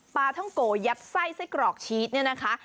ปลาท่องโกยัดไส้ไส้กรอกชีสเนี่ยนะคะ